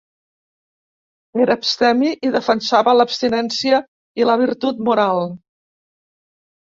Era abstemi i defensava l'abstinència i la virtut moral.